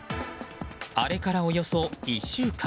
あれからおよそ１週間。